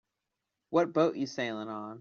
What boat you sailing on?